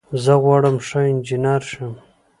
زه غواړم ښه انجنیر شم.